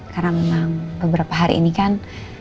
karena memang beberapa hari ini kan